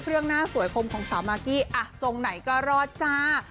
หน้าสวยคมของสาวมากกี้อ่ะทรงไหนก็รอดจ้า